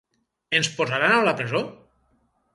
Ens posaran a la presó?